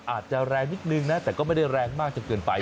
อาจจะแรงนิดนึงนะแต่ก็ไม่ได้แรงมากจนเกินไป